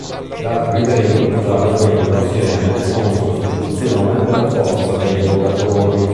La triremi usava il vento assieme o in sostituzione della forza dei vogatori.